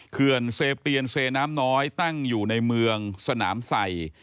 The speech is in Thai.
เขื่อนเซเปียนเซน้ำน้อยตั้งอยู่ในเมืองสนามใส่